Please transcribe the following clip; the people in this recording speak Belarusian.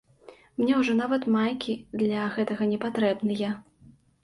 Мне ўжо нават майкі для гэтага не патрэбныя.